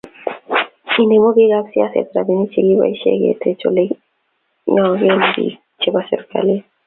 inemu bikap siaset robinik chegiboishe keteche oleginyoen biik chebo serikalit